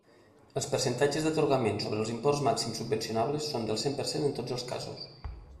Els percentatges d'atorgament sobre els imports màxims subvencionables són del cent per cent en tots els casos.